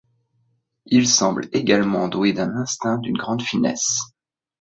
Il semble également doué d'un instinct d'une grande finesse.